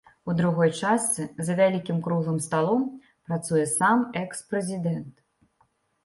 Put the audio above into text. У другой частцы за вялікім круглым сталом працуе сам экс-прэзідэнт.